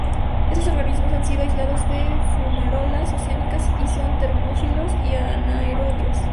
Estos organismos han sido aislados de fumarolas oceánicas y son termófilos y anaerobios.